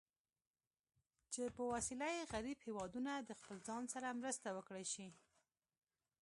چې په وسیله یې غریب هېوادونه د خپل ځان سره مرسته وکړای شي.